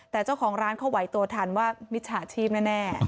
แต่เจ้าของร้านเขาไหวตัวทันว่ามิจฉาชีพแน่